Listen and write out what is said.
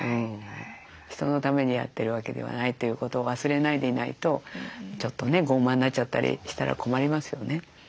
人のためにやってるわけではないということを忘れないでいないとちょっとね傲慢になっちゃったりしたら困りますよね。